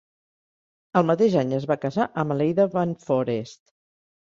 El mateix any es va casar amb Aleida van Foreest.